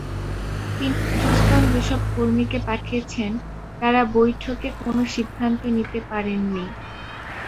তিনি অধস্তন যেসব কর্মীকে পাঠিয়েছেন, তাঁরা বৈঠকে কোনো সিদ্ধান্ত দিতে পারেননি।